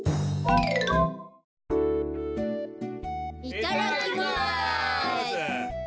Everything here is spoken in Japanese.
いただきます。